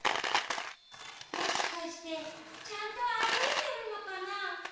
もしかしてちゃんとあるいてるのかな？